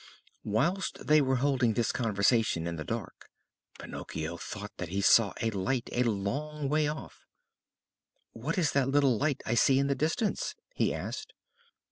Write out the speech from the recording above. Whilst they were holding this conversation in the dark, Pinocchio thought that he saw a light a long way off. "What is that little light I see in the distance?" he asked.